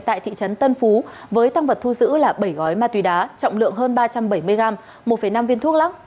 tại thị trấn tân phú với tăng vật thu giữ là bảy gói ma túy đá trọng lượng hơn ba trăm bảy mươi gram một năm viên thuốc lắc